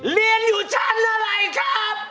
เรียนอยู่ชั้นอะไรครับ